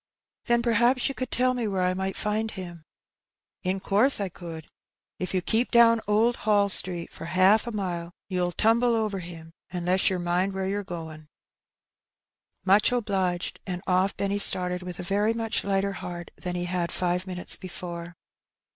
'* "Then perhaps you could tell me where I might find him.'' "'' In course I could* If you keep down Old Hall Street for haaf a mile, you'll tumble over him, unless yer mind wheie yer goin'." '* Much obliged." And off Benny started with a very much lighter heart than he had five minutes before.